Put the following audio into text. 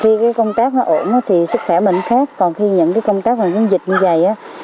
khi cái công tác nó ổn thì sức khỏe mình khác còn khi những cái công tác phòng chống dịch như vầy á